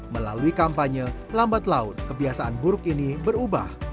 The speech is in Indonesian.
melalui kampanye lambat laun kebiasaan buruk ini berubah